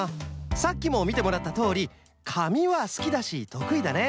さっきもみてもらったとおりかみはすきだしとくいだね。